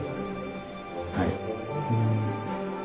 はい。